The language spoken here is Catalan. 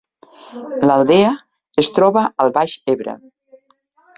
L’Aldea es troba al Baix Ebre